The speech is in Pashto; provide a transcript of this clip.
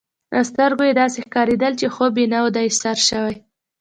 له سترګو يې داسي ښکارېدل، چي خوب یې نه دی سر شوی.